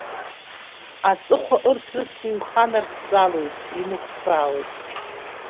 Аҵыхәа ырҭрысны иҩханарҵҵалоит, инықәԥраауеит.